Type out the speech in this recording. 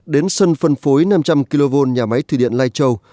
đến sân phân phối năm trăm linh kv nhà máy thủy điện lai châu